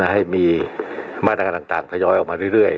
ให้มีมาตรการต่างทยอยออกมาเรื่อย